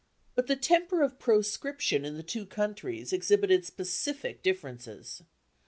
But the temper of proscription in the two countries exhibited specific differences.